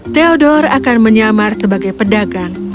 theodor akan menyamar sebagai pedagang